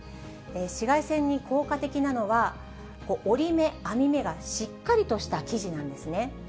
紫外線に効果的なのは、織り目、編み目がしっかりとした生地なんですね。